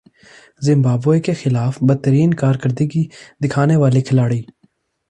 Zimbabwe کے خلاف بدترین کارکردگی دکھانے والے کھلاڑی